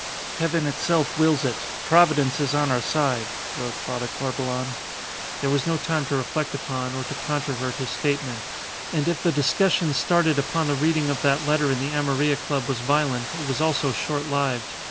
"Heaven itself wills it. Providence is on our side," wrote Father Corbelan; there was no time to reflect upon or to controvert his statement; and if the discussion started upon the reading of that letter in the Amarilla Club was violent, it was also shortlived.